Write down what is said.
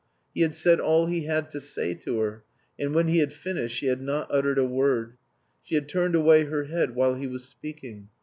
He had said all he had to say to her, and when he had finished she had not uttered a word. She had turned away her head while he was speaking.